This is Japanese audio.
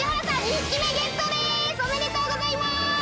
おめでとうございます！